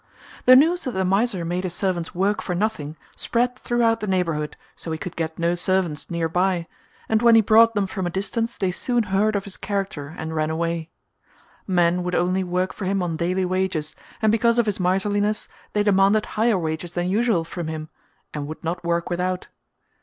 The news that the miser made his servants work for nothing spread throughout the neighbourhood so he could get no servants near by and when he brought them from a distance they soon heard of his character and ran away. Men would only work for him on daily wages and because of his miserliness they demanded higher wages than usual from him and would not work without.